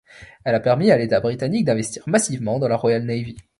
Elle a permis à l'État britannique d'investir massivement dans la Royal Navy.